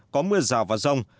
có mưa rào và rông